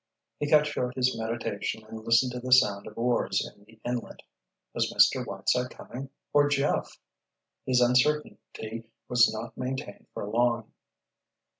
He cut short his meditation and listened to the sound of oars in the inlet. Was Mr. Whiteside coming—or Jeff? His uncertainty was not maintained for long.